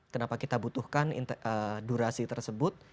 kenapa kita butuhkan durasi tersebut